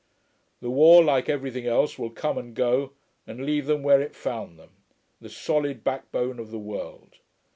The war, like everything else, will come and go and leave them where it found them the solid backbone of the world.